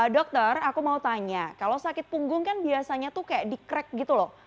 dokter aku mau tanya kalau sakit punggung kan biasanya tuh kayak di crack gitu loh